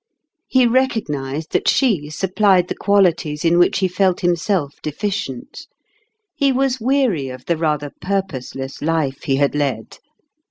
He recognized that she supplied the qualities in which he felt him self deficient ; he was weary of the rather purposeless life he had led.